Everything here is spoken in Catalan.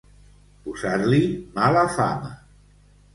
Posar-li mala fama.